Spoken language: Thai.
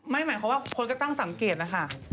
หมายความว่าคนก็ตั้งสังเกตนะคะ